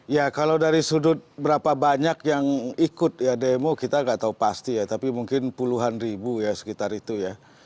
ya kalau dari sudut berapa banyak yang ikut ya demo kita nggak tahu pasti ya tapi mungkin puluhan ribu ya sekitar itu ya